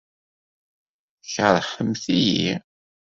Tkeṛhemt-iyi?